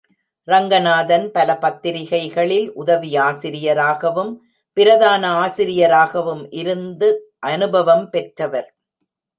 ரங்கநாதன் பல பத்திரிகைகளில் உதவி ஆசிரியராகவும், பிரதான ஆசிரியராகவும் இருந்து அனுபவம் பெற்றவர்.